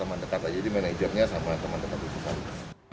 ya teman dekat aja jadi mana hijabnya sama teman dekat itu saja